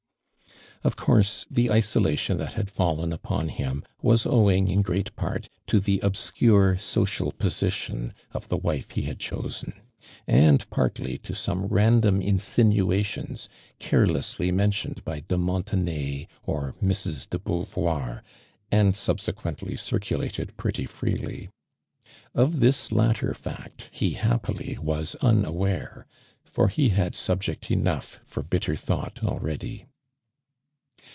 Of course the isolation that hail fallen upon him was owing in great part to the obscure social position of the wife he hatl chosen, and partly to some random insin uations, carelessly me iioned byde Monte nay, or Mrs. de Beauvoir, and subsequently tnrculated pi ctty freely, t )f this latter fact he happily was unaware, for he had sulject enough for bitter thought already.